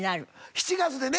７月でね。